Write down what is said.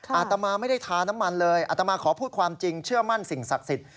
อาตมาไม่ได้ทาน้ำมันเลยอาตมาขอพูดความจริงเชื่อมั่นสิ่งศักดิ์สิทธิ